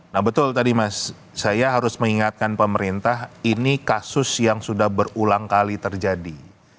nah betul tadi mas saya harus mengingatkan pemerintah ini kasus yang sudah berulang kali terjadi